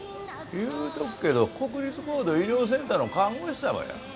言うとくけど国立高度医療センターの看護師様や。